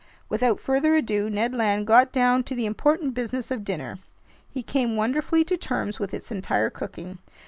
Without further ado, Ned Land got down to the important business of dinner. He came wonderfully to terms with its entire cooking.